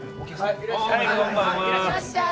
いらっしゃい。